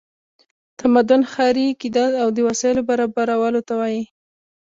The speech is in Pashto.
تمدن ښاري کیدل او د وسایلو برابرولو ته وایي.